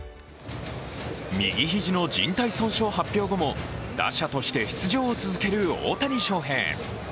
右肘のじん帯損傷発表後も打者として出場を続ける大谷翔平。